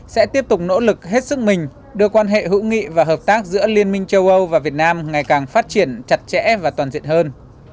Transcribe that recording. sẽ tiếp tục nỗ lực hết sức mình đưa quan hệ hữu nghị và hợp tác giữa liên minh châu âu và việt nam ngày càng phát triển chặt chẽ và toàn diện hơn